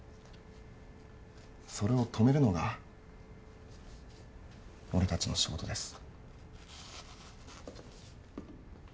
それを止めるのが俺たちの仕事です。